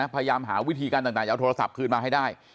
พยายามหาวิธีการต่างจะเอาโทรศัพท์คืนมาให้ได้